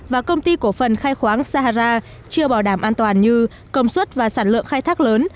và công ty cổ phần khai khoáng sahara chưa bảo đảm an toàn như công suất và sản lượng khai thác lớn